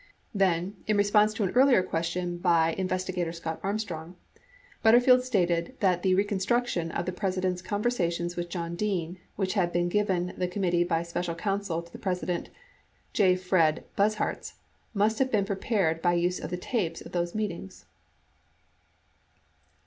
Then, in response to an earlier question by investigator Scott 8 Exhibit 121, 8 Searings 3372 76. XXX Armstrong, Butterfield stated that the reconstruction of the Presi dent's conversations with John Dean, which had been given the committee by Special Counsel to the President J. Fred Buzhardt, must have been prepared by use of the tapes of those meetings.